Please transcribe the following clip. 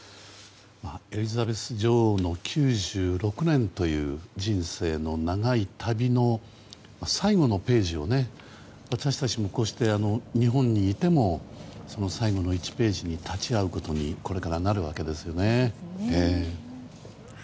エリザベス女王の９６年という人生の長い旅の最後のページを私たちもこうして日本にいてもその最後の１ページに立ち会うことにこれからなるわけですよね。